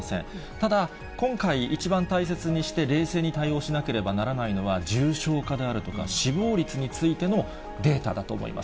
ただ、今回、一番大切にして、冷静に対応しなければならないのは、重症化であるとか、死亡率についてのデータだと思います。